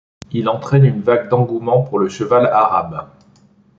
Il entraîne une vague d'engouement pour le cheval arabe.